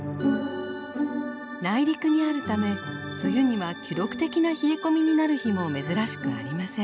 内陸にあるため冬には記録的な冷え込みになる日も珍しくありません。